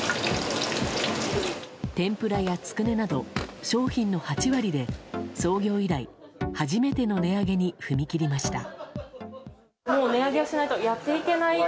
天ぷらやつくねなど商品の８割で創業以来、初めての値上げに踏み切りました。